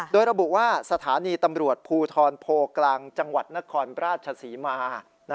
โดยระบุว่าสถานีตำรวจภูทรโพกลางจังหวัดนครราชศรีมา